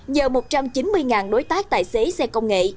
nhờ một trăm chín mươi đối tác tài xế xe công nghệ